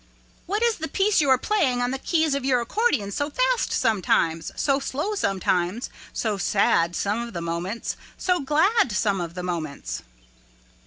"What is the piece you are playing on the keys of your accordion so fast sometimes, so slow sometimes, so sad some of the moments, so glad some of the moments?"